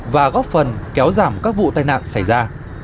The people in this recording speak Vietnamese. và góp phần kéo giảm các vụ tai nạn xảy ra